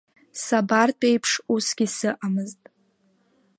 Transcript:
Сабартә еиԥш усгьы сыҟамызт.